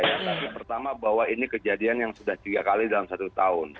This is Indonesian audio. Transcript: tapi pertama bahwa ini kejadian yang sudah tiga kali dalam satu tahun